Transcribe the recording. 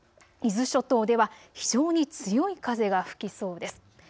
伊豆諸島では非常に強い風が吹きそうです。